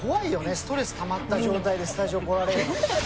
ストレスたまった状態でスタジオ来られるの。